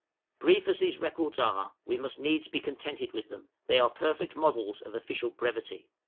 Brief as these records are, we must needs be contented with them; they are perfect models of official brevity.